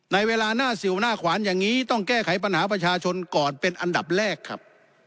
ในเวลาหน้าสิวหน้าขวานอย่างนี้ต้องแก้ไขปัญหาประชาชนก่อนเป็นอันดับแรกครับ